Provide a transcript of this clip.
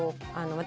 私